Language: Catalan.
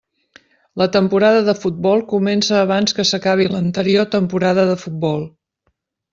La temporada de futbol comença abans que s'acabi l'anterior temporada de futbol.